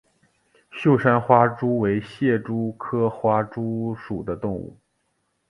秀山花蛛为蟹蛛科花蛛属的动物。